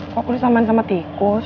kok disamain sama tikus